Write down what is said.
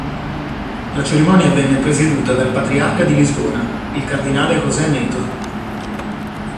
La cerimonia venne presieduta dal patriarca di Lisbona, il cardinale José Neto.